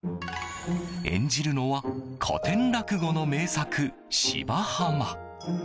演じるのは古典落語の名作「芝浜」。